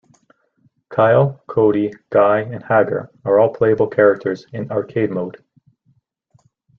Kyle, Cody, Guy and Haggar are all playable characters in arcade mode.